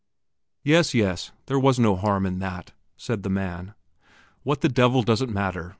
"Yes, yes; there was no harm in that," said the man. "What the devil does it matter?